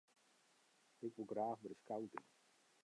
Ik wol graach by de skouting.